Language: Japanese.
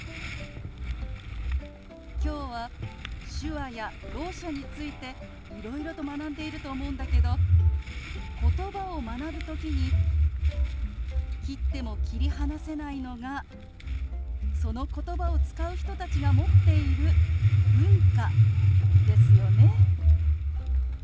今日は手話やろう者についていろいろと学んでいると思うんだけどことばを学ぶ時に切っても切り離せないのがそのことばを使う人たちが持っている文化ですよね。